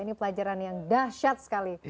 ini pelajaran yang dahsyat sekali